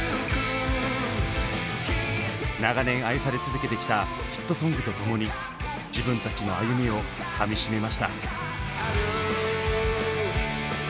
長年愛され続けてきたヒットソングと共に自分たちの歩みをかみしめました。